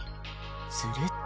すると。